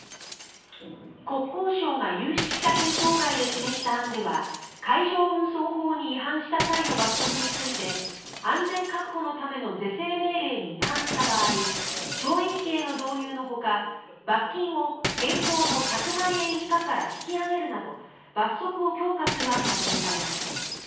国交省が有識者検討会で示した案では海上運送法に違反した際の罰則について安全確保のための是正命令に違反した場合懲役刑の導入のほか罰金を現行の１００万円以下から引き上げるなど罰則を強化する案が示されました。